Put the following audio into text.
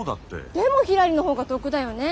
でもひらりの方が得だよね。